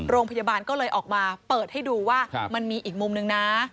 โรงพยาบาลก็เลยออกมาเปิดให้ดูว่ามันมีอีกมุมนึงนะ